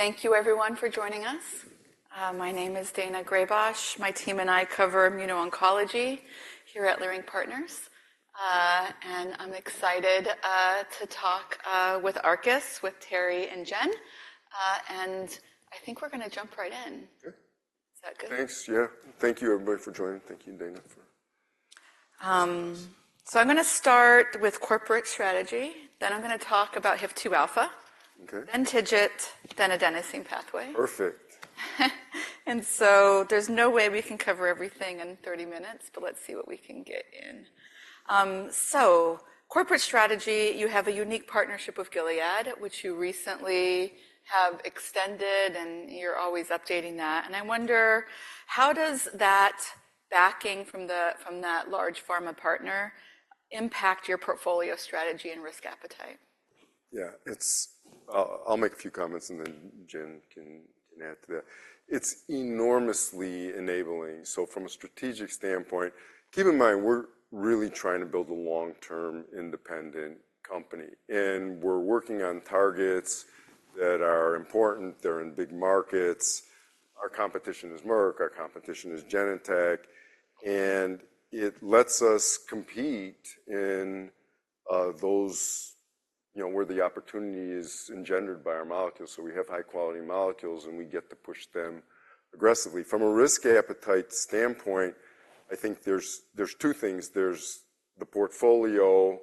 Okay. Thank you everyone for joining us. My name is Daina Graybosch. My team and I cover immuno-oncology here at Leerink Partners. And I'm excited to talk with Terry and Jen.. and i think we're gonna jump right in. Okay. Is that good? Thanks, yeah. Thank you, everybody, for joining. Thank you, Daina, for. So I'm gonna start with corporate strategy, then I'm gonna talk about HIF-2α. Okay. Then TIGIT, then adenosine pathway. Perfect. So there's no way we can cover everything in 30 minutes, but let's see what we can get in. So corporate strategy, you have a unique partnership with Gilead, which you recently have extended, and you're always updating that. I wonder, how does that backing from that large pharma partner impact your portfolio strategy and risk appetite? Yeah, it's, I'll make a few comments, and then Jen can add to that. It's enormously enabling. So from a strategic standpoint, keep in mind, we're really trying to build a long-term independent company, and we're working on targets that are important. They're in big markets. Our competition is Merck, our competition is Genentech, and it lets us compete in, those, you know, where the opportunity is engendered by our molecules. So we have high-quality molecules, and we get to push them aggressively. From a risk appetite standpoint, I think there's, there's two things. There's the portfolio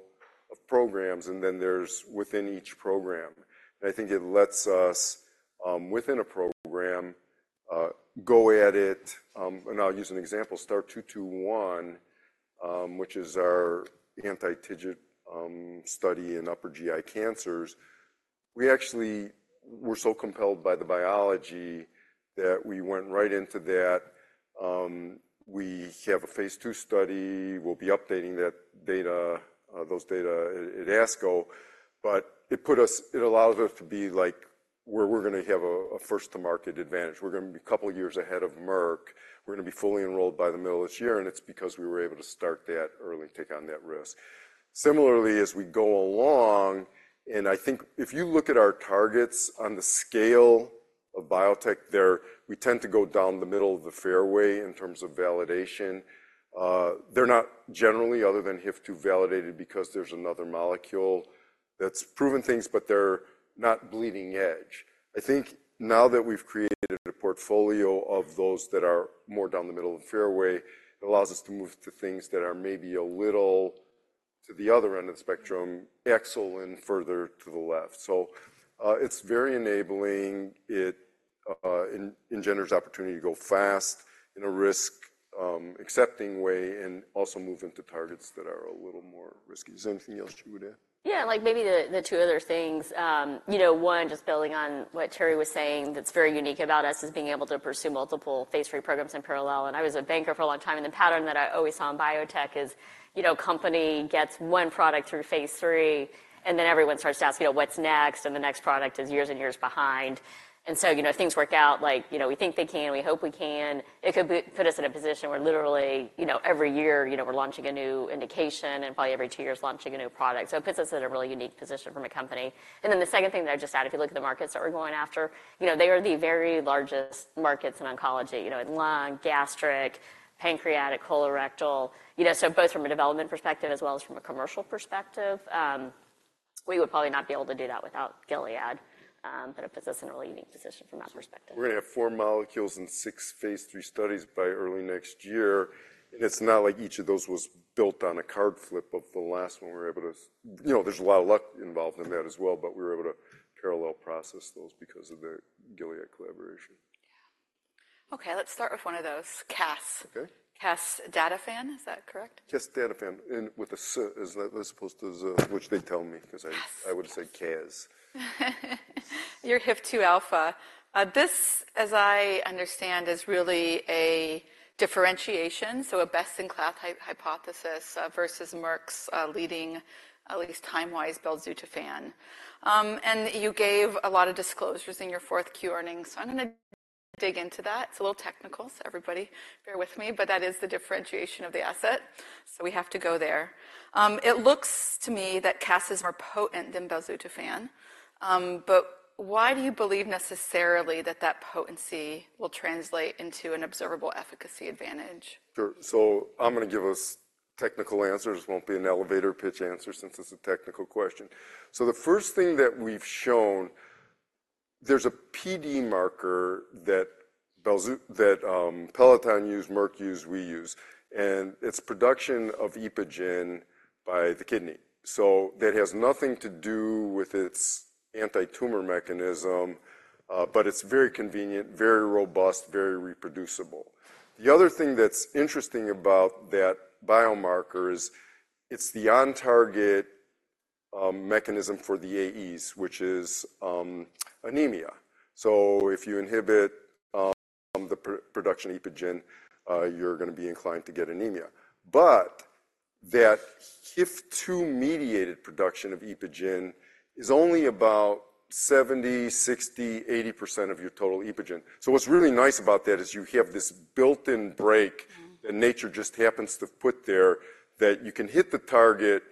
of programs, and then there's within each program. And I think it lets us, within a program, go at it. And I'll use an example, STAR-221, which is our anti-TIGIT study in upper GI cancers. We actually were so compelled by the biology that we went right into that. We have a phase 2 study. We'll be updating those data at ASCO, but it put us. It allowed us to be, like, where we're gonna have a first-to-market advantage. We're gonna be a couple of years ahead of Merck. We're gonna be fully enrolled by the middle of this year, and it's because we were able to start that early and take on that risk. Similarly, as we go along, and I think if you look at our targets on the scale of biotech, there we tend to go down the middle of the fairway in terms of validation. They're not generally, other than HIF-2, validated because there's another molecule that's proven things, but they're not bleeding edge. I think now that we've created a portfolio of those that are more down the middle of the fairway, it allows us to move to things that are maybe a little to the other end of the spectrum, perhaps further to the left. So it's very enabling. It engenders opportunity to go fast in a risk accepting way, and also move into targets that are a little more risky. Is there anything else you would add? Yeah, like maybe the two other things, you know, one, just building on what Terry was saying that's very unique about us is being able to pursue multiple phase 3 programs in parallel. And I was a banker for a long time, and the pattern that I always saw in biotech is, you know, company gets one product through phase 3, and then everyone starts to ask, you know, what's next? And the next product is years and years behind. And so, you know, if things work out like, you know, we think they can, we hope we can, it could be put us in a position where literally, you know, every year, you know, we're launching a new indication, and probably every two years, launching a new product. So it puts us in a really unique position from a company. Then the second thing that I'd just add, if you look at the markets that we're going after, you know, they are the very largest markets in oncology, you know, in lung, gastric, pancreatic, colorectal. You know, so both from a development perspective as well as from a commercial perspective, we would probably not be able to do that without Gilead, but it puts us in a really unique position from that perspective. We're gonna have 4 molecules and 6 Phase 3 studies by early next year, and it's not like each of those was built on a card flip of the last one. We were able to, you know, there's a lot of luck involved in that as well, but we were able to parallel process those because of the Gilead collaboration. Yeah. Okay, let's start with one of those, CAS. Okay. Casdatifan, is that correct? Casdatifan, and with a su, as opposed to zu, which they tell me because I. CAS. I would say CAS. Your HIF-2α. This, as I understand, is really a differentiation, so a best-in-class hypothesis versus Merck's leading, at least time-wise, belzutifan. And you gave a lot of disclosures in your fourth Q earnings, so I'm gonna dig into that. It's a little technical, so everybody, bear with me, but that is the differentiation of the asset, so we have to go there. It looks to me that CAS is more potent than belzutifan, but why do you believe necessarily that that potency will translate into an observable efficacy advantage? Sure. So I'm gonna give us technical answers. It won't be an elevator pitch answer since it's a technical question. So the first thing that we've shown, there's a PD marker that belzutifan that Peloton use, Merck use, we use, and it's production of EPO by the kidney. So that has nothing to do with its antitumor mechanism, but it's very convenient, very robust, very reproducible. The other thing that's interesting about that biomarker is it's the on-target mechanism for the AEs, which is anemia. So if you inhibit the production of EPO, you're gonna be inclined to get anemia. But that HIF-2-mediated production of EPO is only about 70, 60, 80% of your total EPO. So what's really nice about that is you have this built-in break. And nature just happens to put there, that you can hit the target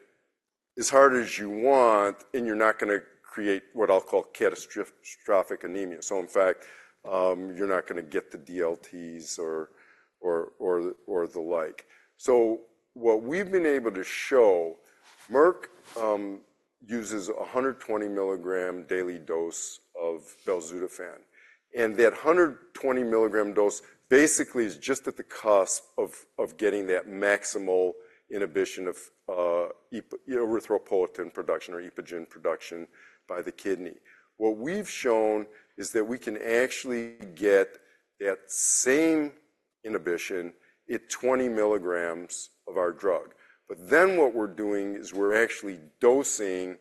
as hard as you want, and you're not gonna create what I'll call catastrophic anemia. So in fact, you're not gonna get the DLTs or the like. So what we've been able to show, Merck uses a 120-milligram daily dose of belzutifan, and that 120-milligram dose basically is just at the cusp of getting that maximal inhibition of erythropoietin production by the kidney. What we've shown is that we can actually get that same inhibition at 20 milligrams of our drug. But then what we're doing is we're actually dosing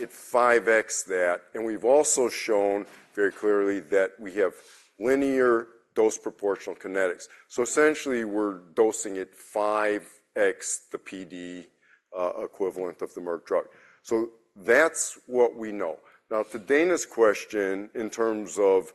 at 5x that, and we've also shown very clearly that we have linear dose proportional kinetics. So essentially, we're dosing at 5x the PD equivalent of the Merck drug. So that's what we know. Now, to Daina's question, in terms of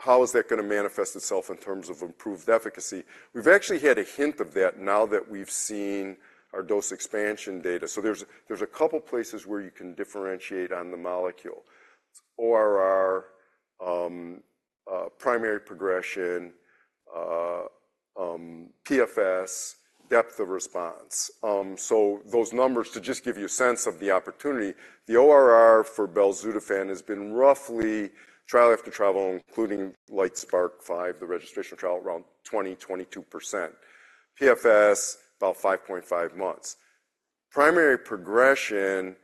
how is that gonna manifest itself in terms of improved efficacy? We've actually had a hint of that now that we've seen our dose expansion data. So there's a couple places where you can differentiate on the molecule: ORR, primary progression, PFS, depth of response. So those numbers, to just give you a sense of the opportunity, the ORR for belzutifan has been roughly, trial after trial, including LITESPARK-005, the registration trial, around 20-22%. PFS, about 5.5 months. Primary progression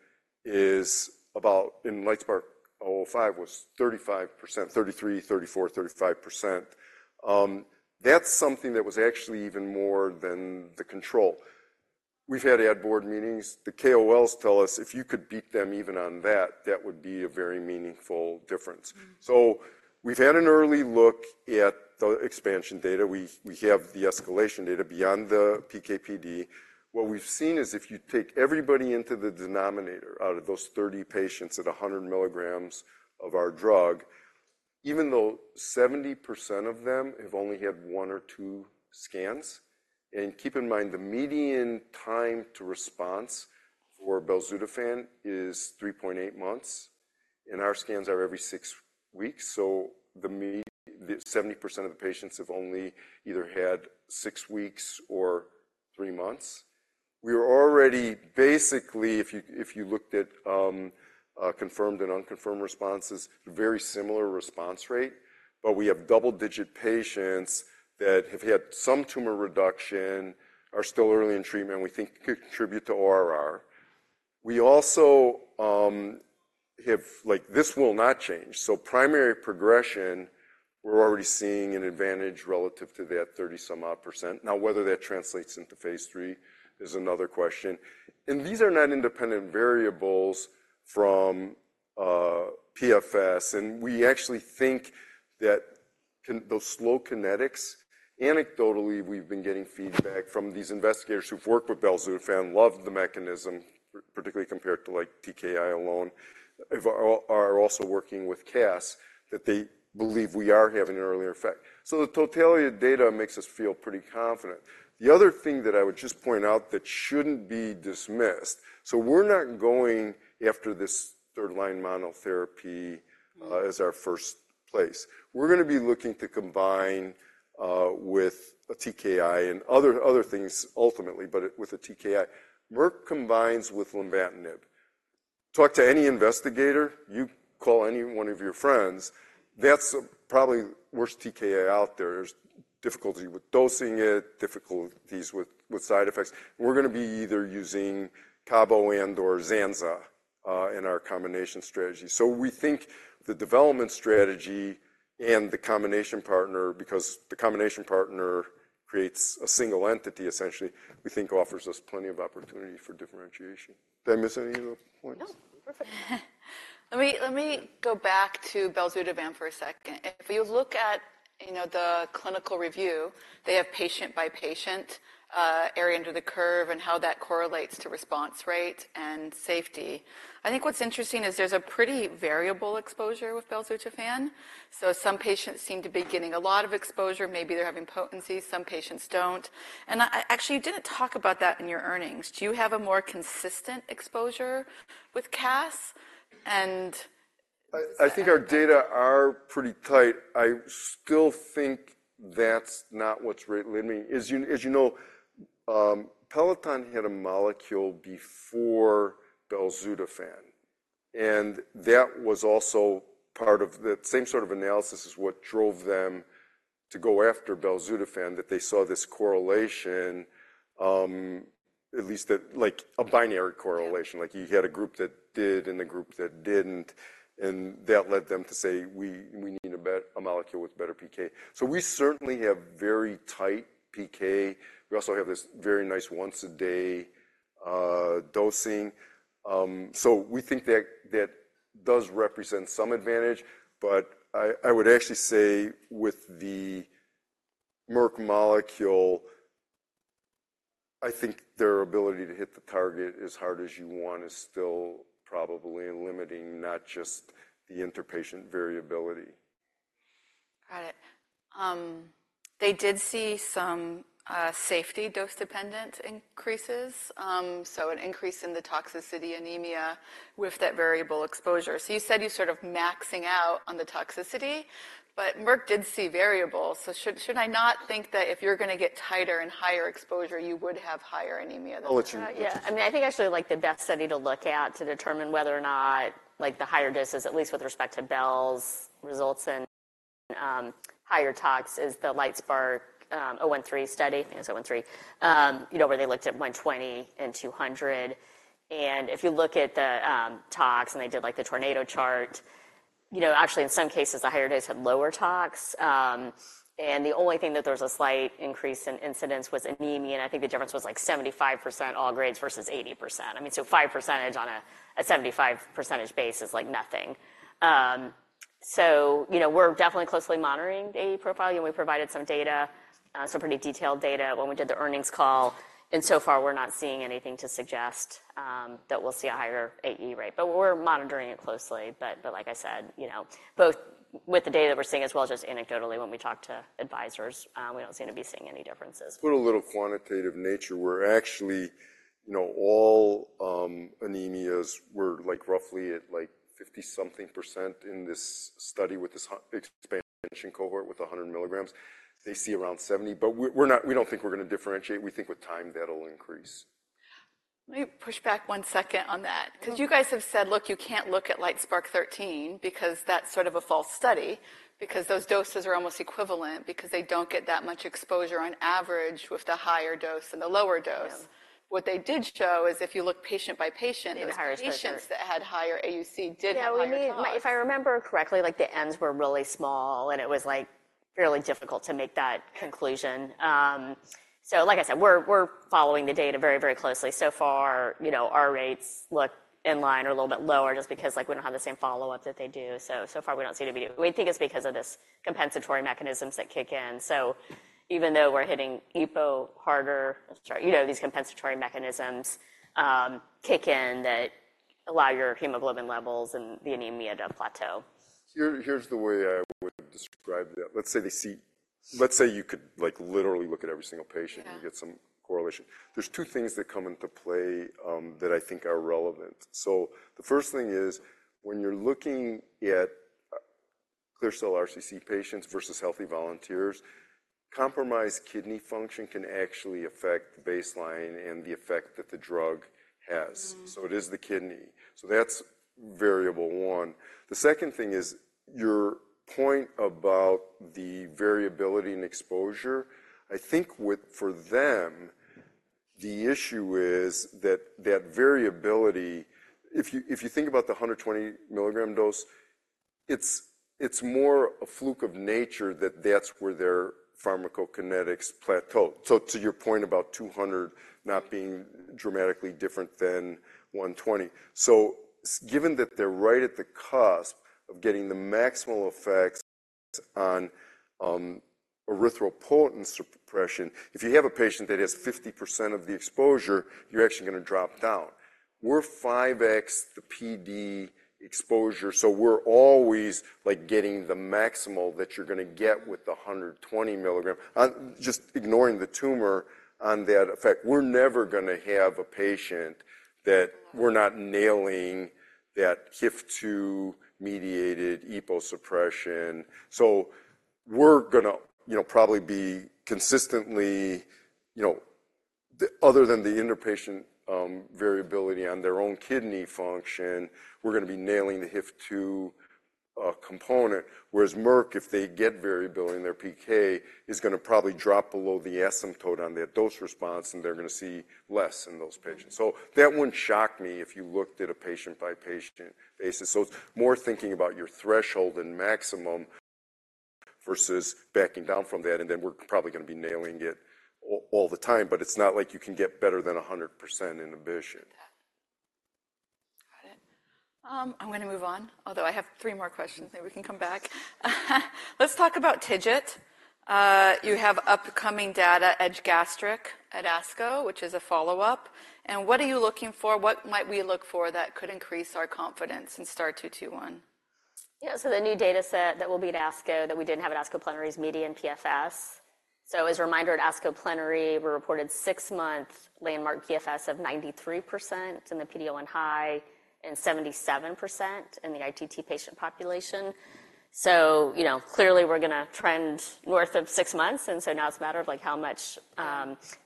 is about, in LITESPARK-005, was 35%, 33-35%. That's something that was actually even more than the control. We've had ad board meetings. The KOLs tell us if you could beat them even on that, that would be a very meaningful difference. So we've had an early look at the expansion data. We have the escalation data beyond the PK/PD. What we've seen is if you take everybody into the denominator, out of those 30 patients at 100 milligrams of our drug, even though 70% of them have only had 1 or 2 scans. And keep in mind, the median time to response for belzutifan is 3.8 months, and our scans are every 6 weeks, so the 70% of the patients have only either had 6 weeks or 3 months. We are already, basically, if you looked at confirmed and unconfirmed responses, very similar response rate, but we have double-digit patients that have had some tumor reduction, are still early in treatment, we think could contribute to ORR. We also have, lLike, this will not change. So primary progression, we're already seeing an advantage relative to that 30-some-odd percent. Now, whether that translates into phase 3 is another question, and these are not independent variables from PFS, and we actually think that kinetics, those slow kinetics, anecdotally, we've been getting feedback from these investigators who've worked with belzutifan, love the mechanism, particularly compared to, like, TKI alone, if they are also working with CAS, that they believe we are having an earlier effect. So the totality of data makes us feel pretty confident. The other thing that I would just point out that shouldn't be dismissed: so we're not going after this third-line monotherapy as our first place. We're gonna be looking to combine with a TKI and other things ultimately, but with a TKI. Merck combines with lenvatinib. Talk to any investigator, you call any one of your friends, that's probably the worst TKI out there. There's difficulty with dosing it, difficulties with side effects. We're gonna be either using CABOMETYX or Zanza in our combination strategy. So we think the development strategy and the combination partner, because the combination partner creates a single entity, essentially, we think offers us plenty of opportunity for differentiation. Did I miss any of the points? No, perfect. Let me go back to belzutifan for a second. If you look at, you know, the clinical review, they have patient-by-patient area under the curve and how that correlates to response rate and safety. I think what's interesting is there's a pretty variable exposure with belzutifan, so some patients seem to be getting a lot of exposure. Maybe they're having potency, some patients don't. And I actually didn't talk about that in your earnings. Do you have a more consistent exposure with CAS? And. I think our data are pretty tight. I still think that's not what's really. I mean, as you know, Peloton had a molecule before belzutifan, and that was also part of the same sort of analysis as what drove them to go after belzutifan, that they saw this correlation, at least at, like, a binary correlation. Like, you had a group that did and a group that didn't, and that led them to say, "We, we need a molecule with better PK." So we certainly have very tight PK. We also have this very nice once-a-day dosing. So we think that that does represent some advantage, but I would actually say with the Merck molecule, I think their ability to hit the target as hard as you want is still probably limiting, not just the interpatient variability. Got it. They did see some safety dose-dependent increases, so an increase in the toxicity anemia with that variable exposure. So you said you're sort of maxing out on the toxicity, but Merck did see variables. So should I not think that if you're gonna get tighter and higher exposure, you would have higher anemia than. Oh, it's. Yeah. I mean, I think actually, like, the best study to look at to determine whether or not, like, the higher doses, at least with respect to belzutifan's results in higher tox, is the LITESPARK-013 study. I think it's 013. You know, where they looked at 120 and 200, and if you look at the tox and they did like the tornado chart, you know, actually, in some cases, the higher dose had lower tox. And the only thing that there was a slight increase in incidence was anemia, and I think the difference was like 75% all grades versus 80%. I mean, so 5% on a 75% base is like nothing. So, you know, we're definitely closely monitoring AE profile. You know, we provided some data, some pretty detailed data when we did the earnings call, and so far, we're not seeing anything to suggest that we'll see a higher AE rate. But we're monitoring it closely. But like I said, you know, both with the data that we're seeing, as well as just anecdotally, when we talk to advisors, we don't seem to be seeing any differences. Put a little quantitative nature where actually, you know, all anemias were like roughly at, like, 50-something% in this study with this expansion cohort with 100 milligrams. They see around 70, but we're not—we don't think we're gonna differentiate. We think with time, that'll increase. Let me push back one second on that. Cause you guys have said, "Look, you can't look at LITESPARK-013 because that's sort of a false study, because those doses are almost equivalent, because they don't get that much exposure on average with the higher dose and the lower dose. What they did show is if you look patient by patient. In the higher exposure. Patients that had higher AUC did have higher tox. Yeah, we need. If I remember correctly, like, the ends were really small, and it was, like, fairly difficult to make that conclusion. So like I said, we're following the data very, very closely. So far, you know, our rates look in line or a little bit lower just because, like, we don't have the same follow-up that they do. So far, we don't seem to be. We think it's because of this compensatory mechanisms that kick in. So even though we're hitting EPO harder, sorry, you know, these compensatory mechanisms kick in that allow your hemoglobin levels and the anemia to plateau. Here's the way I would describe that. Let's say you could, like, literally look at every single patient. Yeah And get some correlation. There's two things that come into play that I think are relevant. So the first thing is, when you're looking at clear cell RCC patients versus healthy volunteers, compromised kidney function can actually affect the baseline and the effect that the drug has. So it is the kidney. That's variable one. The second thing is your point about the variability in exposure. I think with, for them, the issue is that, that variability, if you, if you think about the 120 milligram dose, it's, it's more a fluke of nature that that's where their pharmacokinetics plateaued. So to your point about 200 not being dramatically different than 120. So given that they're right at the cusp of getting the maximal effects on erythropoietin suppression, if you have a patient that has 50% of the exposure, you're actually gonna drop down. We're 5x the PD exposure, so we're always, like, getting the maximal that you're gonna get with the 120 milligram. Just ignoring the tumor on that effect, we're never gonna have a patient that we're not nailing that HIF-2 mediated EPO suppression. So we're gonna, you know, probably be consistently, you know. Other than the inter-patient variability on their own kidney function, we're gonna be nailing the HIF-2 component. Whereas Merck, if they get variability in their PK, is gonna probably drop below the asymptote on their dose response, and they're gonna see less in those patients. That wouldn't shock me if you looked at a patient-by-patient basis. It's more thinking about your threshold and maximum versus backing down from that, and then we're probably gonna be nailing it all, all the time. It's not like you can get better than 100% inhibition. Yeah. Got it. I'm gonna move on, although I have three more questions. Maybe we can come back. Let's talk about TIGIT. You have upcoming data, EDGE Gastric at ASCO, which is a follow-up, and what are you looking for? What might we look for that could increase our confidence in STAR-221? Yeah, so the new data set that will be at ASCO, that we didn't have at ASCO Plenary, is median PFS. So as a reminder, at ASCO Plenary, we reported 6-month landmark PFS of 93% in the PD-L1 high and 77% in the ITT patient population. So, you know, clearly, we're gonna trend north of 6 months, and so now it's a matter of, like, how much,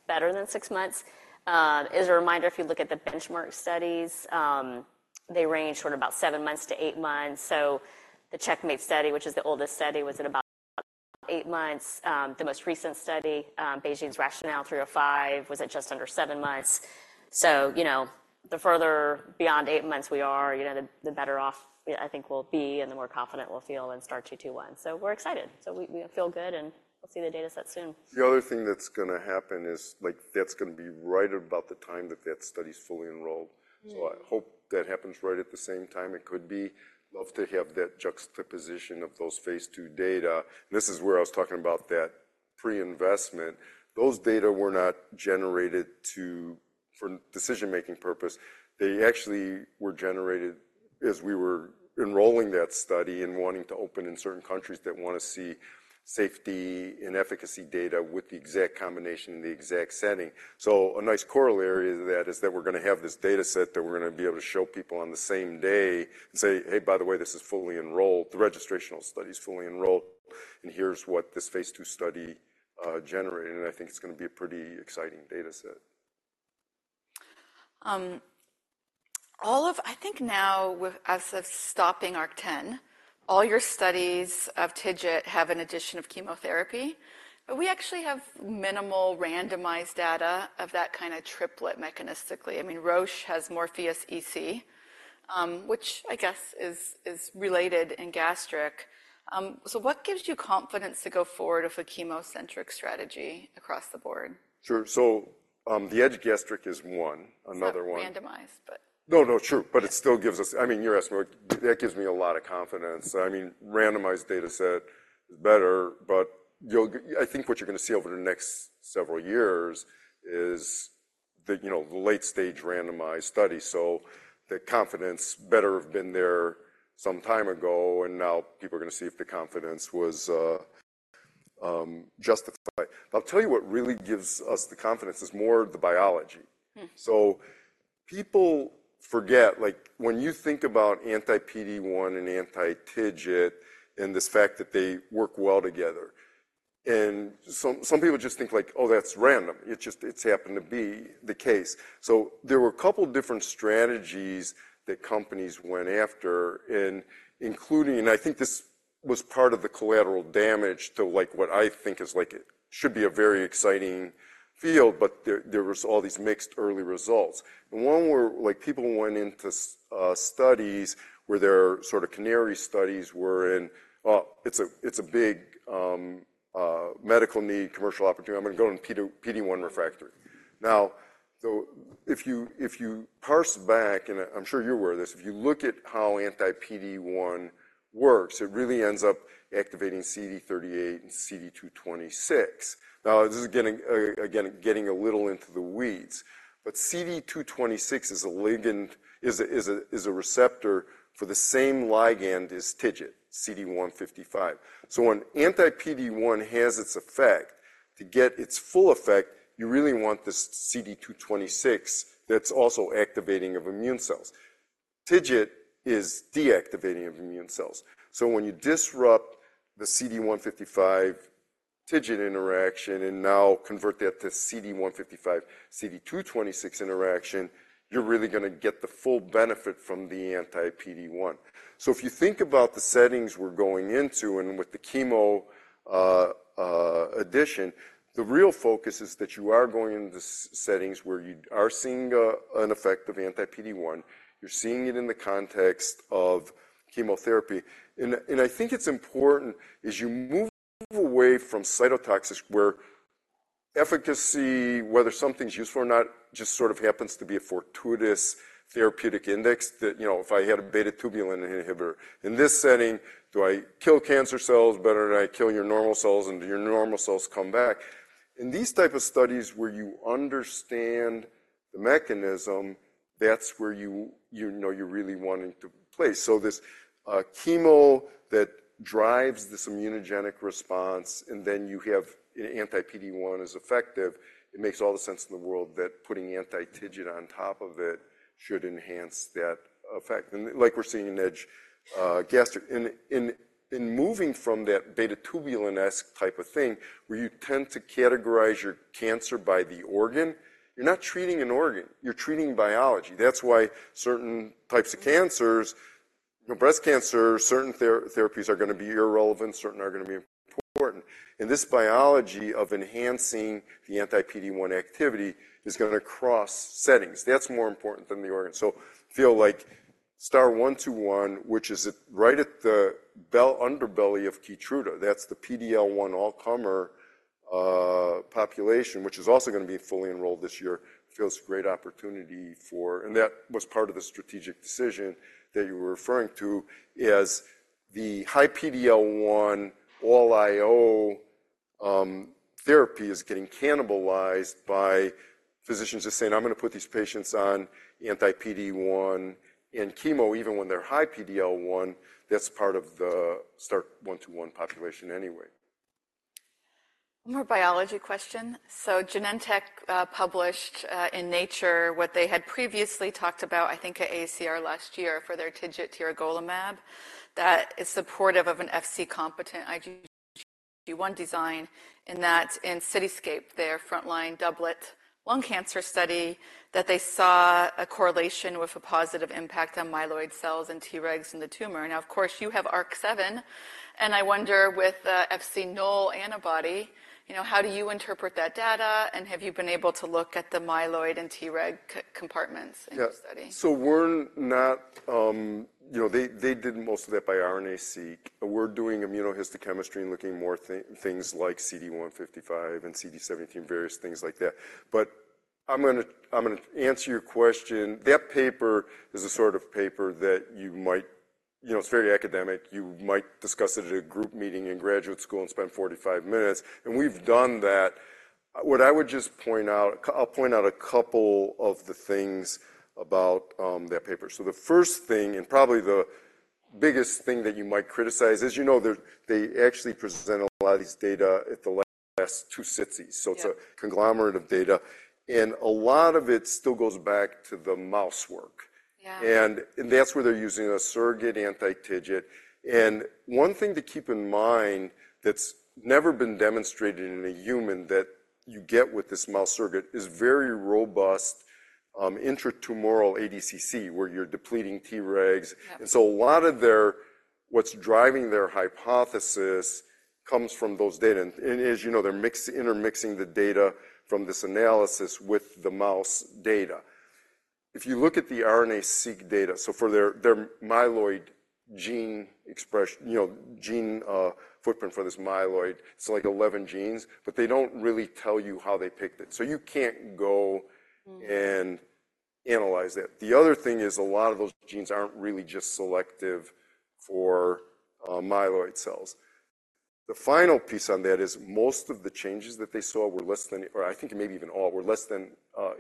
better than 6 months. As a reminder, if you look at the benchmark studies, they range from about 7 months to 8 months. So the CheckMate study, which is the oldest study, was at about 8 months. The most recent study, BeiGene's RATIONALE-305, was at just under 7 months. So, you know, the further beyond 8 months we are, you know, the, the better off, I think we'll be and the more confident we'll feel in STAR-221. So we're excited. So we, we feel good, and we'll see the data set soon. The other thing that's gonna happen is, like, that's gonna be right about the time that that study's fully enrolled. So I hope that happens right at the same time. It could be. Love to have that juxtaposition of those phase two data. This is where I was talking about that pre-investment, those data were not generated to, for decision-making purpose. They actually were generated as we were enrolling that study and wanting to open in certain countries that want to see safety and efficacy data with the exact combination in the exact setting. So a nice corollary to that is that we're going to have this data set that we're going to be able to show people on the same day and say, "Hey, by the way, this is fully enrolled. The registrational study is fully enrolled, and here's what this phase two study generated." And I think it's going to be a pretty exciting data set. All, I think now, as of stopping ARC-10, all your studies of TIGIT have an addition of chemotherapy, but we actually have minimal randomized data of that kind of triplet mechanistically. I mean, Roche has MORPHEUS EC, which I guess is related in gastric. So what gives you confidence to go forward with a chemocentric strategy across the board? Sure. So, the EDGE Gastric is one, another one. It's not randomized, but. No, no, true, but it still gives us. I mean, you're asking me, that gives me a lot of confidence. I mean, randomized data set is better, but you'll I think what you're going to see over the next several years is the, you know, the late-stage randomized study. So the confidence better have been there some time ago, and now people are going to see if the confidence was justified. But I'll tell you what really gives us the confidence is more the biology. So people forget, like, when you think about anti-PD-1 and anti-TIGIT and this fact that they work well together, and some people just think, like, oh, that's random. It just, it's happened to be the case. So there were a couple different strategies that companies went after, and including, I think this was part of the collateral damage to like what I think is like, should be a very exciting field, but there was all these mixed early results. And one way, like people went into studies where their sort of canary studies were in, it's a big medical need, commercial opportunity. I'm gonna go in PD-1 refractory. Now, so if you parse back, and I'm sure you're aware of this, if you look at how anti-PD-1 works, it really ends up activating CD38 and CD226. Now, this is getting, again, getting a little into the weeds, but CD226 is a ligand, a receptor for the same ligand as TIGIT, CD155. So when anti-PD-1 has its effect, to get its full effect, you really want this CD226 that's also activating of immune cells. TIGIT is deactivating of immune cells. So when you disrupt the CD155 TIGIT interaction and now convert that to CD155, CD226 interaction, you're really gonna get the full benefit from the anti-PD-1. So if you think about the settings we're going into and with the chemo addition, the real focus is that you are going into settings where you are seeing an effect of anti-PD-1. You're seeing it in the context of chemotherapy. I think it's important as you move away from cytotoxic, where efficacy, whether something's useful or not, just sort of happens to be a fortuitous therapeutic index that, you know, if I had a beta-tubulin inhibitor. In this setting, do I kill cancer cells better than I kill your normal cells, and do your normal cells come back? In these type of studies where you understand the mechanism, that's where you, you know, you're really wanting to play. So this chemo that drives this immunogenic response, and then you have anti-PD-1 is effective, it makes all the sense in the world that putting anti-TIGIT on top of it should enhance that effect. And like we're seeing in EDGE Gastric. In moving from that beta-tubulin-esque type of thing, where you tend to categorize your cancer by the organ, you're not treating an organ, you're treating biology. That's why certain types of cancers, you know, breast cancer, certain therapies are going to be irrelevant, certain are going to be important. In this biology of enhancing the anti-PD-1 activity is going to cross settings. That's more important than the organ. So feel like STAR-121, which is right at the underbelly of Keytruda. That's the PD-L1 all-comer population, which is also going to be fully enrolled this year, feels a great opportunity for. That was part of the strategic decision that you were referring to, is the high PD-L1, all IO, therapy is getting cannibalized by physicians just saying, "I'm going to put these patients on anti-PD-1 and chemo, even when they're high PD-L1," that's part of the STAR-121 population anyway. More biology question. So Genentech published in Nature what they had previously talked about, I think, at AACR last year for their TIGIT tiragolumab, that is supportive of an Fc-competent IgG1 design, and that in CITYSCAPE, their frontline doublet lung cancer study, that they saw a correlation with a positive impact on myeloid cells and Tregs in the tumor. Now, of course, you have ARC-7, and I wonder with the Fc-null antibody, you know, how do you interpret that data, and have you been able to look at the myeloid and Treg compartments in your study? Yeah. So we're not, you know, they did most of that by RNA-seq. We're doing immunohistochemistry and looking more things like CD155 and CD137, various things like that. But I'm gonna answer your question. That paper is a sort of paper that you might you know, it's very academic. You might discuss it at a group meeting in graduate school and spend 45 minutes, and we've done that. What I would just point out, I'll point out a couple of the things about that paper. So the first thing, and probably the biggest thing that you might criticize, as you know, they actually present a lot of these data at the last two cities. Yeah. It's a conglomerate of data, and a lot of it still goes back to the mouse work. Yeah. And that's where they're using a surrogate anti-TIGIT. And one thing to keep in mind that's never been demonstrated in a human that you get with this mouse surrogate is very robust, intratumoral ADCC, where you're depleting Tregs. Yeah. And so a lot of their, what's driving their hypothesis comes from those data. And as you know, they're intermixing the data from this analysis with the mouse data. If you look at the RNA-seq data, so for their, their myeloid gene express, you know, gene footprint for this myeloid, it's like 11 genes, but they don't really tell you how they picked it. So you can't go and analyze that. The other thing is a lot of those genes aren't really just selective for myeloid cells. The final piece on that is most of the changes that they saw were less than, or I think maybe even all, were less than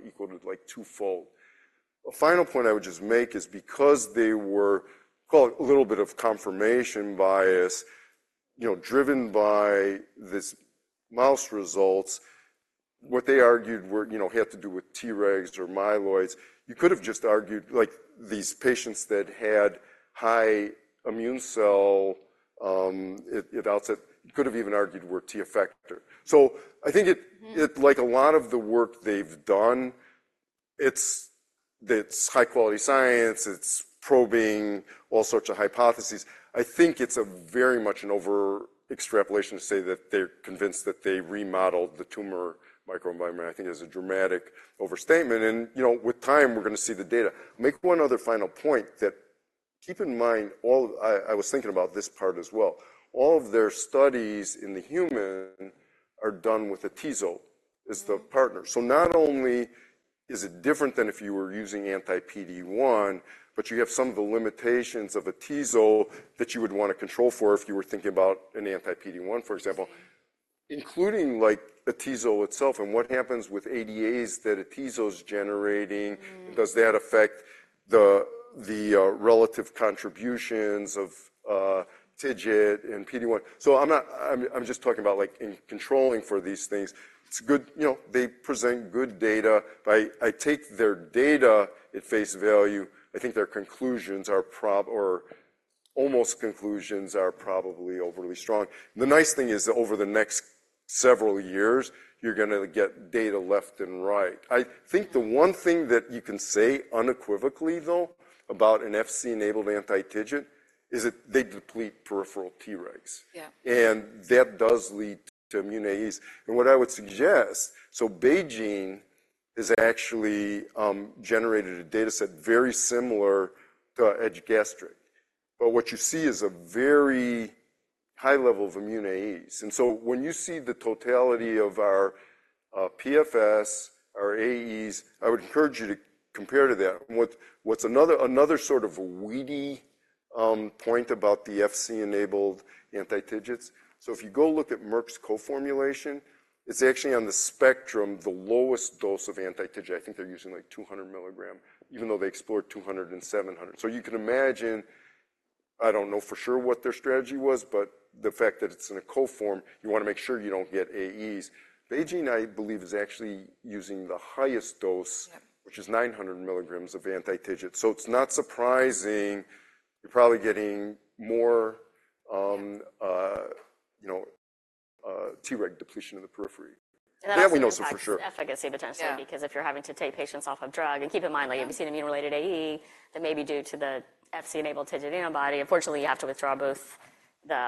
equal to, like, twofold. A final point I would just make is because they were, call it a little bit of confirmation bias, you know, driven by this mouse results, what they argued were, you know, had to do with Tregs or myeloids. You could have just argued, like, these patients that had high immune cell at outset, you could have even argued were T effector. So I think it, like a lot of the work they've done, it's, it's high-quality science, it's probing all sorts of hypotheses. I think it's a very much an over extrapolation to say that they're convinced that they remodeled the tumor microenvironment. I think it's a dramatic overstatement and, you know, with time, we're gonna see the data. Make one other final point that, keep in mind, all. I was thinking about this part as well. All of their studies in the human are done with atezo as the partner. Not only is it different than if you were using anti-PD-1, but you have some of the limitations of atezo that you would wanna control for if you were thinking about an anti-PD-1, for example. Including, like, atezo itself and what happens with ADAs that atezo's generating. Does that affect the relative contributions of TIGIT and PD-1? So I'm not. I'm just talking about, like, in controlling for these things, it's good. You know, they present good data. I take their data at face value. I think their conclusions are probably or almost conclusions are probably overly strong. The nice thing is that over the next several years, you're gonna get data left and right. I think the one thing that you can say unequivocally, though, about an Fc-enabled anti-TIGIT, is that they deplete peripheral Tregs. Yeah. That does lead to immune AEs. What I would suggest, so BeiGene has actually generated a data set very similar to EDGE Gastric. But what you see is a very high level of immune AEs. When you see the totality of our PFS, our AEs, I would encourage you to compare to that. What's another sort of weedy point about the Fc-enabled anti-TIGITs? So if you go look at Merck's co-formulation, it's actually on the spectrum, the lowest dose of anti-TIGIT. I think they're using, like, 200 milligrams, even though they explored 200 and 700. So you can imagine, I don't know for sure what their strategy was, but the fact that it's in a co-form, you wanna make sure you don't get AEs. BeiGene, I believe, is actually using the highest dose. Which is 900 milligrams of anti-TIGIT. So it's not surprising, you're probably getting more, you know, Treg depletion in the periphery. And that also. That we know so for sure. Efficacy potentially. Yeah. Because if you're having to take patients off of drug, and keep in mind, like. Yeah If you see an immune-related AE, that may be due to the Fc-enabled TIGIT antibody. Unfortunately, you have to withdraw both the,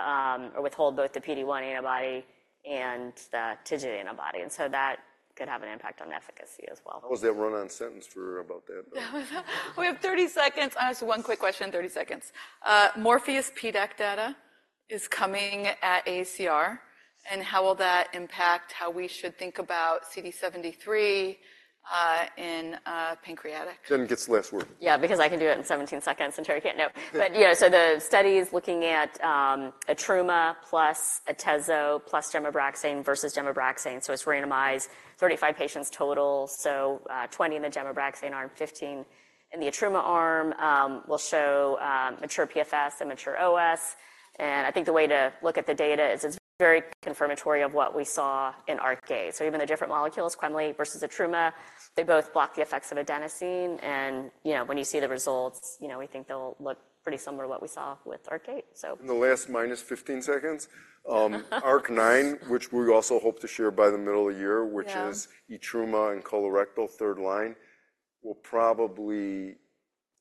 or withhold both the PD-1 antibody and the TIGIT antibody, and so that could have an impact on efficacy as well. How was that run-on sentence for about that, though? Yeah. We have 30 seconds. I'll ask one quick question in 30 seconds. MORPHEUS PDAC data is coming at AACR, and how will that impact how we should think about CD73 in pancreatic? Jen gets the last word. Yeah, because I can do it in 17 seconds, and Terry can't know. Yeah. But yeah, so the studies looking at etrumadenant + atezolizumab + gemcitabine versus gemcitabine. So it's randomized, 35 patients total. So, 20 in the gemcitabine arm, 15 in the etrumadenant arm, will show mature PFS and mature OS. And I think the way to look at the data is it's very confirmatory of what we saw in ARCADE. So even the different molecules, quemliclustat versus etrumadenant, they both block the effects of adenosine, and, you know, when you see the results, you know, we think they'll look pretty similar to what we saw with ARCADE, so. In the last 15 seconds, ARC-9, which we also hope to share by the middle of the year. Yeah Which is etrumadenant and colorectal, third line, will probably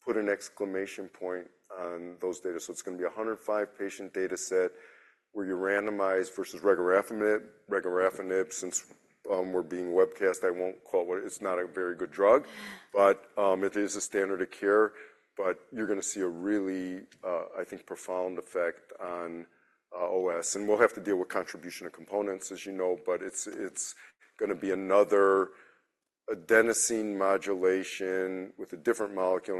put an exclamation point on those data. So it's gonna be a 105-patient data set, where you randomize versus regorafenib. Regorafenib, since we're being webcast, I won't call it. It's not a very good drug, but, it is a standard of care. But you're gonna see a really, I think, profound effect on, OS. And we'll have to deal with contribution of components, as you know, but it's, it's gonna be another adenosine modulation with a different molecule.